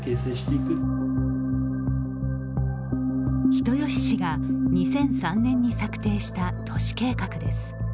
人吉市が２００３年に策定した都市計画です。